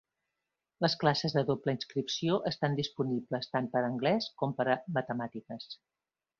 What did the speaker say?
Les classes de doble inscripció estan disponibles tant per anglès com per a matemàtiques.